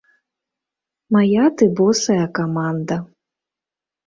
Мая ты босая каманда.